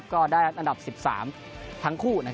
ก็ได้อันดับ๑๓ทั้งคู่